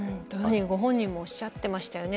ご本人もおっしゃっていましたよね。